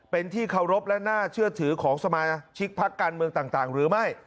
เป็นที่เคารพและน่าเชื่อถือของสมาชิกพักการเมืองต่างหรือไม่